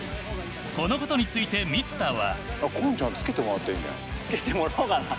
このことについて満田は。